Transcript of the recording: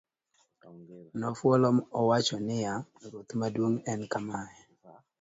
nofuolo ma owacho niya, ruoth maduong' en kamaye